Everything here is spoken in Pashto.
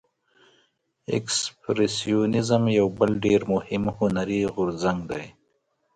اکسپرسیونیزم یو بل ډیر مهم هنري غورځنګ دی.